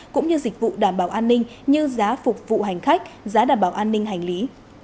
cũng như dịch vụ đảm bảo an ninh như giá phục vụ hành khách giá đảm bảo an ninh hành lý